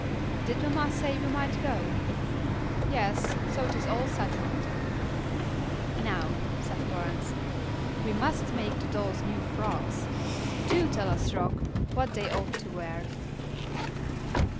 "Did mamma say we might go?" "Yes, so it is all settled." "Now," said Florence, "we must make the dolls new frocks. Do tell us, Rock, what they ought to wear."